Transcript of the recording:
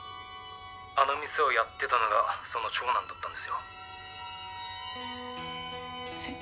あの店をやってたのがその長男だったんですよ。えっ。